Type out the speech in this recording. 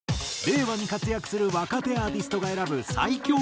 令和に活躍する若手アーティストが選ぶ最強